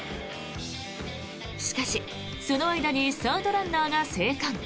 しかし、その間にサードランナーが生還。